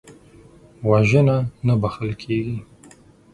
وژنه نه بخښل کېږي